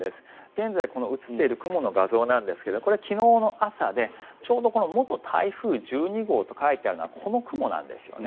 現在、写っている雲の画像なんですがこれは昨日の朝でちょうどこの元台風１２号と書いてあるのはこの雲なんですね。